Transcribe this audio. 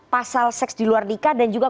pasal seks di luar nikah dan juga